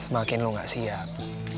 semakin lo gak siap